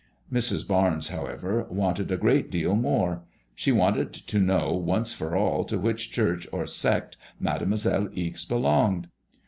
Mrs. Barnes, however, wanted a great deal more. She wanted to know once for all to which church or sect Mademoiselle Ixe belonged.